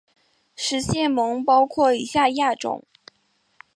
食蟹獴包括以下亚种